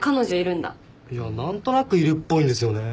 何となくいるっぽいんですよね。